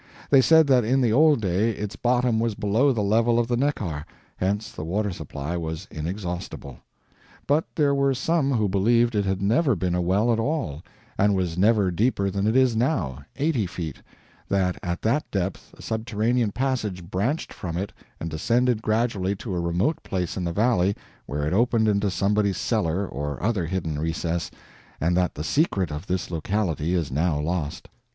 They said that in the old day its bottom was below the level of the Neckar, hence the water supply was inexhaustible. But there were some who believed it had never been a well at all, and was never deeper than it is now eighty feet; that at that depth a subterranean passage branched from it and descended gradually to a remote place in the valley, where it opened into somebody's cellar or other hidden recess, and that the secret of this locality is now lost.